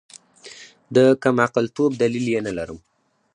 د کمعقلتوب دلیل یې نلرم.